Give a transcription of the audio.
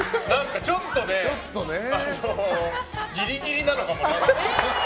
ちょっと、ギリギリなのかもね。